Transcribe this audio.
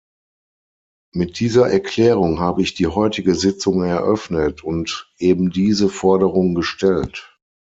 Mit dieser Erklärung habe ich die heutige Sitzung eröffnet und ebendiese Forderung gestellt.